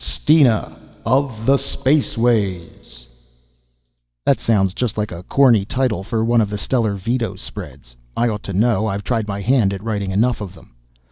Steena of the spaceways that sounds just like a corny title for one of the Stellar Vedo spreads. I ought to know, I've tried my hand at writing enough of them.